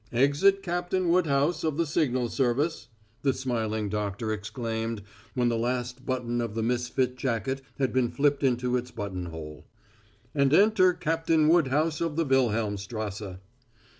"Exit Captain Woodhouse of the signal service," the smiling doctor exclaimed when the last button of the misfit jacket had been flipped into its buttonhole, "and enter Captain Woodhouse of the Wilhelmstrasse."